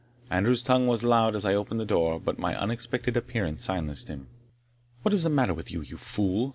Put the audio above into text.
Andrew's tongue was loud as I opened the door, but my unexpected appearance silenced him. "What is the matter with you, you fool?"